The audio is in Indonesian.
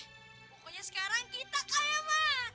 pokoknya sekarang kita kaya pak